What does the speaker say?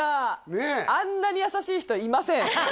ねえあんなに優しい人いません